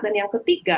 dan yang ketiga